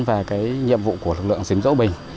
về nhiệm vụ của lực lượng diễm dỗ bình